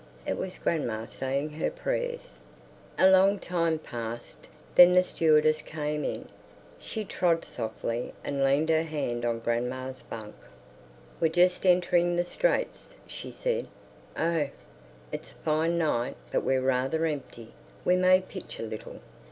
It was grandma saying her prayers.... A long time passed. Then the stewardess came in; she trod softly and leaned her hand on grandma's bunk. "We're just entering the Straits," she said. "Oh!" "It's a fine night, but we're rather empty. We may pitch a little."